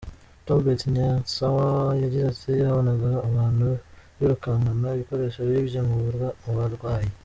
Tolbert Nyenswah yagize ati “Wabonaga abantu birukankana ibikoresho bibye mu barwayi”.